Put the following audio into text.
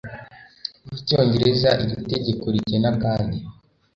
y Icyongereza Iri tegeko rigena kandi